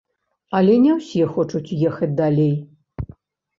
Але не ўсе хочуць ехаць далей.